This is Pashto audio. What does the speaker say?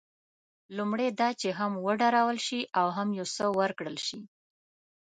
لومړی دا چې هم وډارول شي او هم یو څه ورکړل شي.